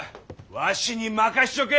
わしに任しちょけ！